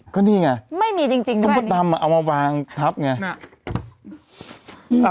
ก็นี่ไงไม่มีจริงก็แบบนี้มันก็ตามมาเอามาวางทับไงน่ะ